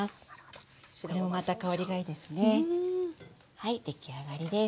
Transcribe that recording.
はい出来上がりです。